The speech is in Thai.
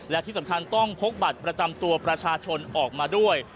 และที่สำคัญต้องพกบัตรประจำตัวประชาชนออกมาด้วย